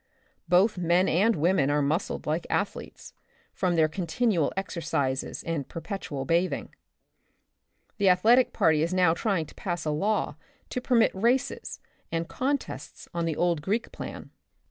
Both men and women are muscled like athletes, from their continual exercises and perpetual bathing. The athletic party is now trying to pass a law to permit races and contests on the old Greek plan.